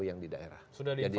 yang di daerah